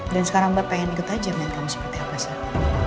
dan sekarang mbak pengen ikut aja main kamu seperti apa saru